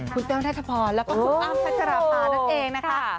คุณแก้วนาธพรและก็ซุปอั๊มทัชราภานั่นเองนะคะ